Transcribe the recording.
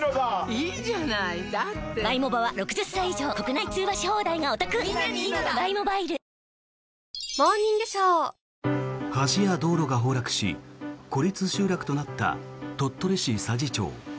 いいじゃないだって橋や道路が崩落し孤立集落となった鳥取市佐治町。